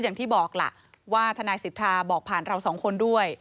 อย่างที่บอกล่ะว่าทนายสิทธาบอกผ่านเราสองคนด้วย